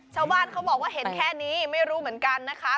ชาวบ้านเขาบอกว่าเห็นแค่นี้ไม่รู้เหมือนกันนะคะ